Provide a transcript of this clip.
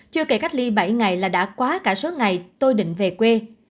chưa kể cách ly bảy ngày là đã quá cả số ngày tôi định về quê